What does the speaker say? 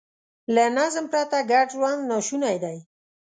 له نظم پرته ګډ ژوند ناشونی دی.